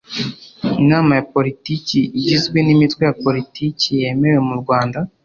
inama ya politiki igizwe n imitwe ya politiki yemewe mu rwanda